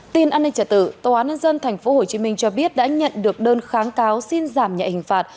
tin an ninh trả tử tòa án nhân dân tp hcm cho biết đã nhận được đơn kháng cáo xin giảm nhạy hình phạt